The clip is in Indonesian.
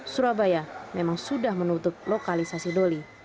surabaya memang sudah menutup lokalisasi doli